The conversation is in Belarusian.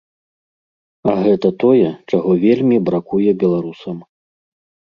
А гэта тое, чаго вельмі бракуе беларусам.